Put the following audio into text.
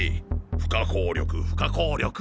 不可抗力不可抗力。